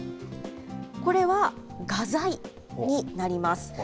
これは画材になります。